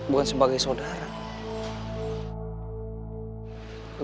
bukan sebagai saudara